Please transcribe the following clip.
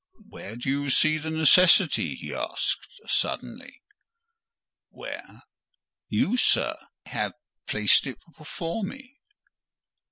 "Where do you see the necessity?" he asked suddenly. "Where? You, sir, have placed it before me."